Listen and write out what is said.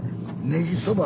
ねぎそば？